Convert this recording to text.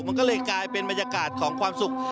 มันก็เลยกลายเป็นบรรยากาศของความสุข